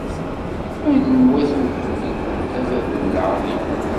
Anwa-t ugellid-a, bab n lɛaḍima?